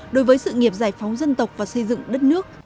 đối với sự nghiệp giải phóng dân tộc và xây dựng đất nước